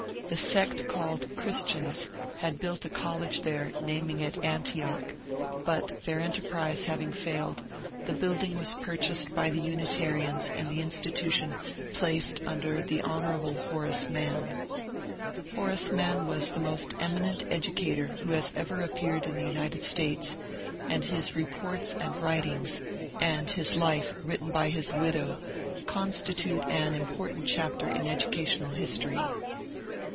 The sect called ^^Christians'' had built a college there, naming it ^^Antioch," but their enterprise having failed, the building was purchased by the Unitarians and the institution placed under the Hon. Horace Mann. Horace Mann was the most eminent educator who has ever appeared in the United States, and his reports and writings, and his life written by his widow, constitute an important chapter in educational history.